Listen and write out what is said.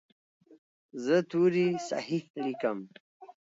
زه توري صحیح لیکم.